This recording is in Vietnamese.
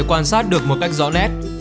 quan sát được một cách rõ nét